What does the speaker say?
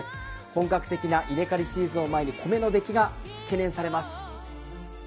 本格的な稲刈りシーズンを前に米の出来が心配されます。